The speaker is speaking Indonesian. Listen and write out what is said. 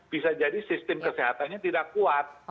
bisa jadi sistem kesehatannya tidak kuat